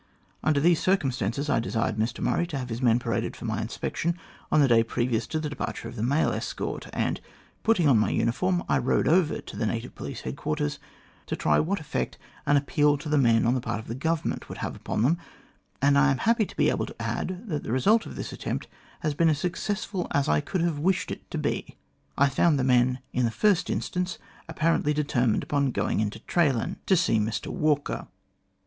Under these circumstances, I desired Mr Murray to have his men paraded for my inspection on the day previous to the departure of the mail escort, and, putting on my uniform, I rode over to the Native Police Quarters to try what effect an appeal to the men on the part of Government would have upon them, and I am happy to be able to add that the result of this attempt has been as successful as I could have wished it to be. I found the men, in the first instance, apparently determined upon going in to Traylan 138 THE GLADSTONE COLONY to see Mr Walker.